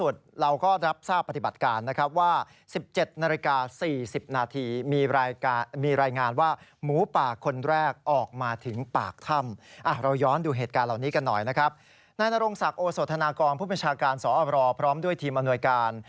นายนรงศักดิ์โอโสธนากรผู้บัญชาการสอบรพร้อมด้วยทีมอำนวยการ